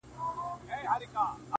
د چا غمو ته به ځواب نه وايو ـ